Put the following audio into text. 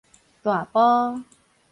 大埔